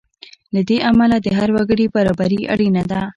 له دې امله د هر وګړي برابري اړینه ده.